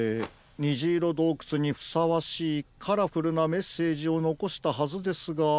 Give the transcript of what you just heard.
にじいろどうくつにふさわしいカラフルなメッセージをのこしたはずですが。